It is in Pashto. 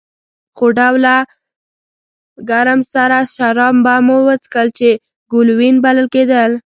څو ډوله ګرم سره شراب به مو څښل چې ګلووېن بلل کېدل.